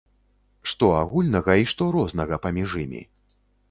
Што агульнага і што рознага паміж імі?